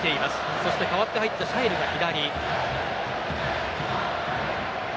そして代わって入ったシャイルが左。